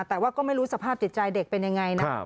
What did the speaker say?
แต่ว่าก็ไม่รู้สภาพจิตใจเด็กเป็นยังไงนะ